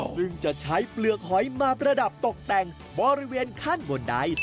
ซึ่งจะใช้เปลือกหอยมาประดับตกแต่งบริเวณขั้นบนใด